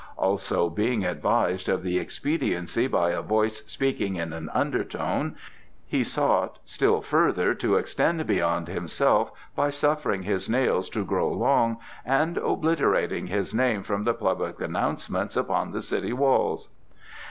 Also, being advised of the expediency by a voice speaking in an undertone, he sought still further to extend beyond himself by suffering his nails to grow long and obliterating his name from the public announcements upon the city walls.